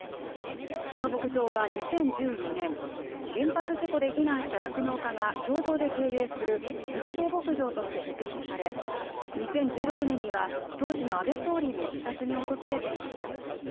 この牧場は２０１４年、原発事故で避難した酪農家が共同で経営する復興牧場として設立され２０１６年には、当時の安倍総理も視察に訪れていました。